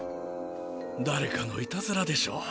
だれかのいたずらでしょう。